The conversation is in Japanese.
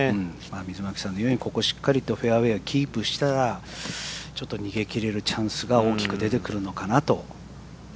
ここ、しっかりとフェアウエーをキープしたらちょっと逃げ切れるチャンスが大きく出てくるのかなと。